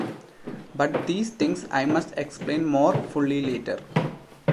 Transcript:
But these things I must explain more fully later.